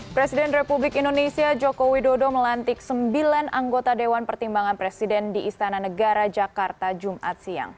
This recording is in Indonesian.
presiden republik indonesia joko widodo melantik sembilan anggota dewan pertimbangan presiden di istana negara jakarta jumat siang